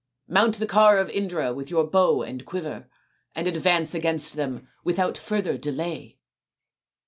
Mount the car of Indra with your bow and quiver and advance against them without further delay."